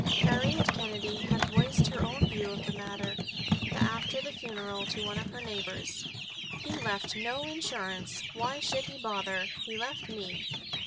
Harriet Kennedy had voiced her own view of the matter, the after the funeral, to one of the neighbors: "He left no insurance. Why should he bother? He left me."